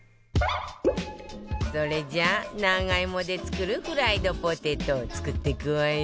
それじゃ長芋で作るフライドポテト作っていくわよ